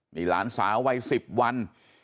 นี่หลานสาววัย๑๐วัน